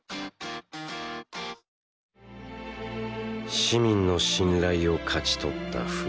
市民の信頼を勝ち取ったフシたち。